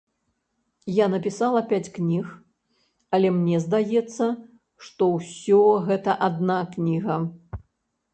Я напісала пяць кніг, але мне здаецца, што ўсё гэта адна кніга.